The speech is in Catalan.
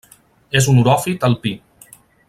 És un oròfit alpí.